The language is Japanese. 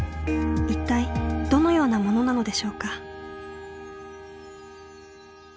一体どのようなものなのでしょうか。